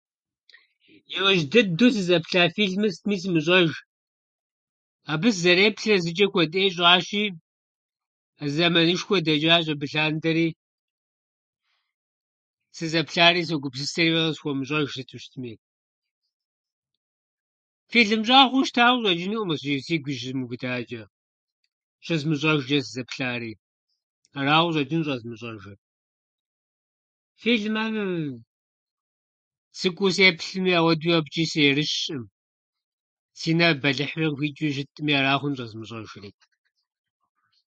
Иужь дыдэу сызэплъа филмыр сытми сымыщӏэж. Абы сызэреплърэ зычӏэ куэдӏей щӏащи, зэманышхуэ дэчӏащ абы лъандэри, сызэплъари согупсысри уеи къысхуэмыщӏэж сыту щытми. Филм щӏагъуэу щытауэ къыщӏэчӏынукъым щы- сигум щизмыубыдачӏэ, щызмыщӏэжчӏэ сызэплъари. Арауэ къыщӏэчӏын щӏэзмыщӏэжыр. Филмхьэм сыкӏуэу сеплъми, ахуэдэуи абычӏи сыерыщӏым. Си нэр бэлыхьууи къыхуичӏыу щытӏыми, ара хъхун щӏэзмыщӏэжри.